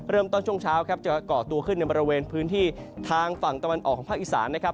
ช่วงเช้าครับจะก่อตัวขึ้นในบริเวณพื้นที่ทางฝั่งตะวันออกของภาคอีสานนะครับ